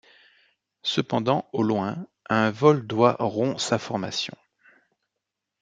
Cependant, au loin, un vol d'oies rompt sa formation.